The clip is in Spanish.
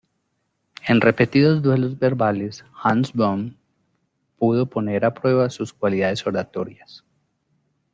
En repetidos duelos verbales, Hans Böhm pudo poner a prueba sus cualidades oratorias.